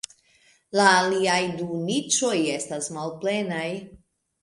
La aliaj du niĉoj estas malplenaj.